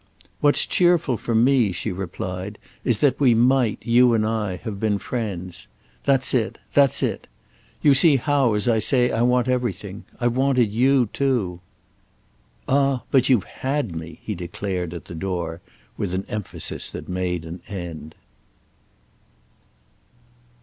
"What's cheerful for me," she replied, "is that we might, you and I, have been friends. That's it—that's it. You see how, as I say, I want everything. I've wanted you too." "Ah but you've had me!" he declared, at the door, with an emphasis that made an end.